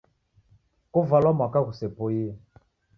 Kovalwa mwaka ghusepoie